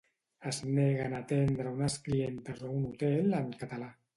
Es neguen a atendre unes clientes a un hotel en català